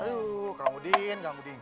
aduh kang udin